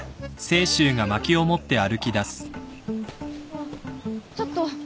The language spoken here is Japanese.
あっちょっと。